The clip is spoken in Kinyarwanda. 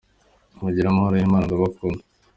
Mugire Amahoro y’Imana ! Ndabakunda !".